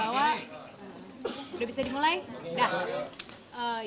udah bisa dimulai sudah